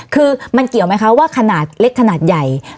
คือมันเกี่ยวไหมคะว่าขนาดเล็กขนาดใหญ่